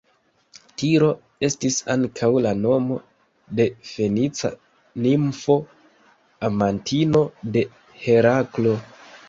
Tiro estis ankaŭ la nomo de fenica nimfo, amantino de Heraklo.